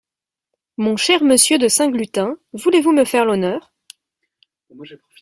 Mon cher monsieur de Saint-Gluten, voulez-vous me faire l’honneur…